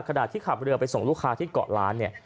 ขณะที่ขับเรือไปส่งลูกค้าที่เกาะล้านเนี่ย